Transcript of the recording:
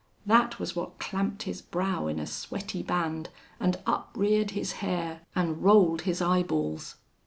That was what clamped his brow in a sweaty band and upreared his hair and rolled his eyeballs.